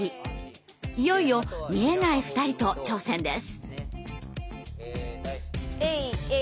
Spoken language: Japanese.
いよいよ見えない２人と挑戦です。